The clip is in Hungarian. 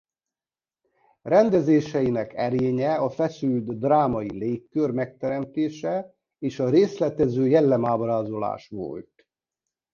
Rendezéseinek erénye a feszült drámai légkör megteremtése és a részletező jellemábrázolás volt.